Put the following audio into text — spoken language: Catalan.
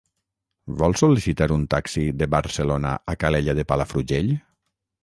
Vol sol·licitar un taxi de Barcelona a Calella de Palafrugell?